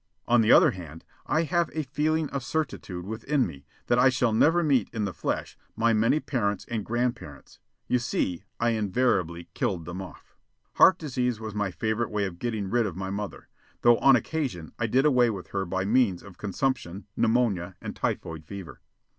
On the other hand, I have a feeling of certitude within me that I shall never meet in the flesh my many parents and grandparents you see, I invariably killed them off. Heart disease was my favorite way of getting rid of my mother, though on occasion I did away with her by means of consumption, pneumonia, and typhoid fever.